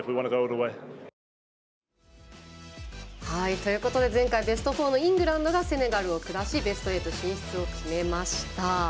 ということで前回ベスト４イングランドがセネガルを下しベスト８進出を決めました。